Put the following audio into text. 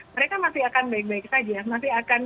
mereka masih akan baik baik saja masih akan